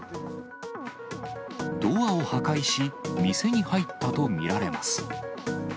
ドアを破壊し、店に入ったと見られます。